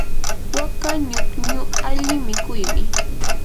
waka ñukñu alli mikuymi.